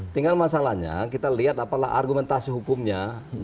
tinggal masalahnya kita lihat apalah argumentasi hukumnya